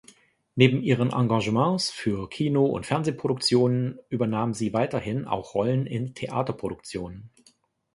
Neben ihren Engagements für Kino- und Fernsehproduktionen übernahm sie weiterhin auch Rollen in Theaterproduktionen.